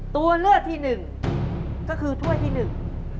ตัวเลือกที่หนึ่งก็คือถ้วยที่หนึ่ง